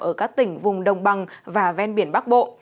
ở các tỉnh vùng đồng bằng và ven biển bắc bộ